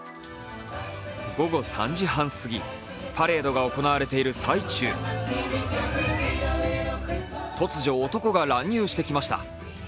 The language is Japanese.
午後３時半すぎ、パレードが行われている最中、突如、男が乱入してきました。